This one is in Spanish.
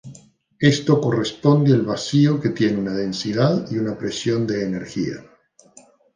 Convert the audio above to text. Esto corresponde al vacío que tiene una densidad y una presión de energía.